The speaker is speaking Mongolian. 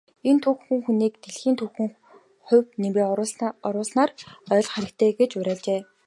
Энэ түүхэн хүнийг дэлхийн түүхэнд хувь нэмрээ оруулснаар нь ойлгох хэрэгтэй гэж уриалжээ.